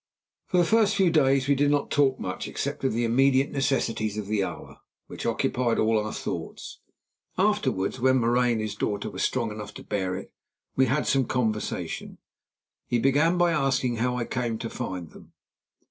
For the first few days we did not talk much except of the immediate necessities of the hour, which occupied all our thoughts. Afterwards, when Marais and his daughter were strong enough to bear it, we had some conversation. He began by asking how I came to find them.